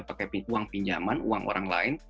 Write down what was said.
pakai uang pinjaman uang orang lain